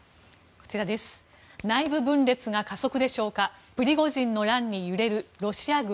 内部分裂が加速でしょうかプリゴジンの乱に揺れるロシア軍。